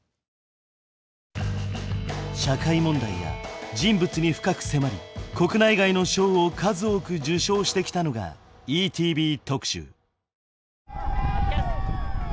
社会問題や人物に深く迫り国内外の賞を数多く受賞してきたのが「ＥＴＶ特集」。